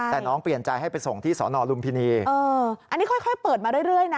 เนี้ยน้องเปลี่ยนใจให้ไปส่งที่สอนอนรุมพินีเอออันนี้ค่อยค่อยเปิดมาเรื่อยเรื่อยนะ